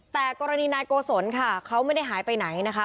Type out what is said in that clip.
แต่กรณีนายโกศลค่ะเขาไม่ได้หายไปไหนนะคะ